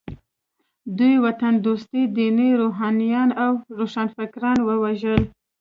دوی وطن دوسته ديني روحانيون او روښانفکران ووژل.